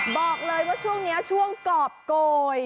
บอกเลยว่าช่วงนี้ช่วงกรอบโกย